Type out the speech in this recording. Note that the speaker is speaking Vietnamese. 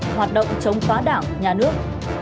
hoạt động chống phá đảng nhà nước